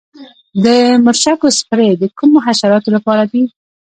د مرچکو سپری د کومو حشراتو لپاره دی؟